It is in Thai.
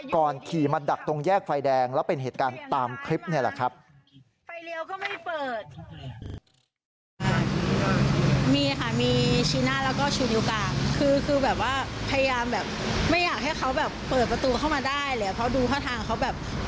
ขี่มาดักตรงแยกไฟแดงแล้วเป็นเหตุการณ์ตามคลิปนี่แหละครับ